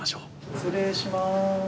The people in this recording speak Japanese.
失礼します。